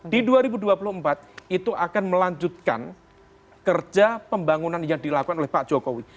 di dua ribu dua puluh empat itu akan melanjutkan kerja pembangunan yang dilakukan oleh pak jokowi